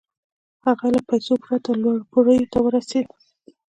هغه له پيسو پرته لوړو پوړيو ته ورسېد.